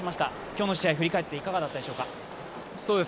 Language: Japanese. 今日の試合、振り返っていかがだったでしょうか。